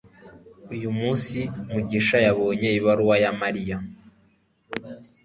Uyu munsi mugisha yabonye ibaruwa ya Mariya